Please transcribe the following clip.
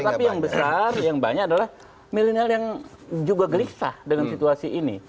tapi yang besar yang banyak adalah milenial yang juga gelisah dengan situasi ini